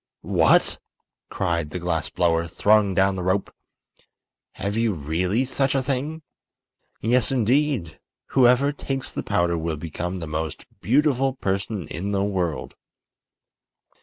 "What!" cried the glass blower, throwing down the rope, "have you really such a thing?" "Yes, indeed. Whoever takes the powder will become the most beautiful person in the world."